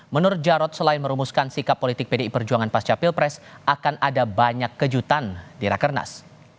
menurut jarod selain merumuskan sikap politik pdi perjuangan pasca pilpres akan ada banyak kejutan di rakernas